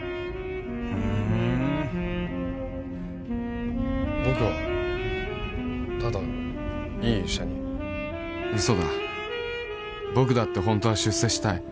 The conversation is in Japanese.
フーン僕はただいい医者にウソだ僕だって本当は出世したい